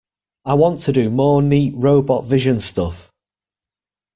I want to do more neat robot vision stuff.